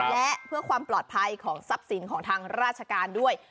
และเพื่อความปลอดภัยของทรัพย์สินของทางราชการด้วย